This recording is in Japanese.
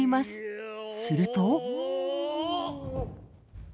すると。